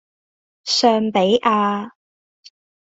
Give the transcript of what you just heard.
尚比亞